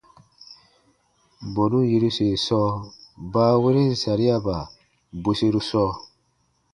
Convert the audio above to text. Bɔnu yiruse sɔɔ baaweren sariaba bweseru sɔɔ.